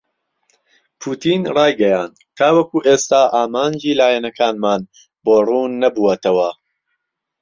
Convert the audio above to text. پوتین رایگەیاند تاوەکو ئێستا ئامانجی لایەنەکانمان بۆ رووننەبووەتەوە.